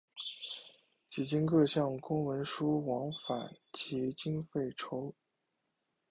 几经各项公文书往返及经费筹凑。